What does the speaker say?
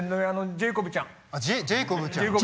ジェイコブちゃんおお。